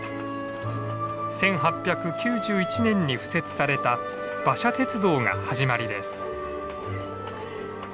１８９１年に敷設された馬車鉄道が始まりです。